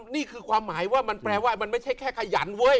นี่คือความหมายว่ามันแปลว่ามันไม่ใช่แค่ขยันเว้ย